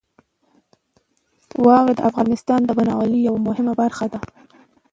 واوره د افغانستان د بڼوالۍ یوه مهمه برخه ده.